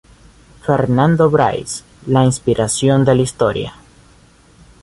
Fernando Bryce, la inspiración de la Historia.